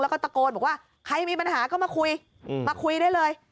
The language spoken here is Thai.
แล้วก็ตะโกนบอกว่าใครมีปัญหาก็มาคุยมาคุยได้เลย